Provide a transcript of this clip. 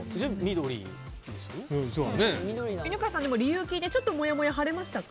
犬飼さん、理由を聞いてちょっともやもや晴れましたか？